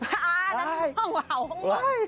อ่านั่นหลังหาวอ้าว